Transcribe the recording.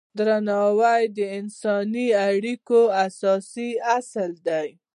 درناوی د انساني اړیکو اساسي اصل دی.